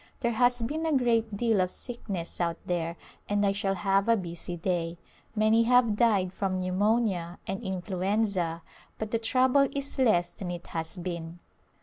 There has been a great deal of sick ness out there and I shall have a busy day. Many have died from pneumonia and influenza, but the trouble is less than it has been.